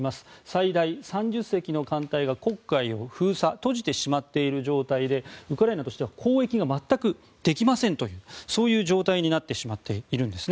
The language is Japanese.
最大３０隻の艦隊が黒海を封鎖閉じてしまっている状態でウクライナとしては交易が全くできませんというそういう状態になってしまっているんです。